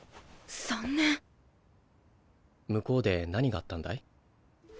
向こうで何があったんだい？